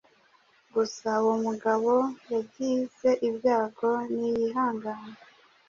Gusa uwo mugabo yagize ibyago niyihangane